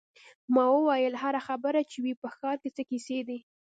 ما وویل: هر خبر چې وي، په ښار کې څه کیسې دي.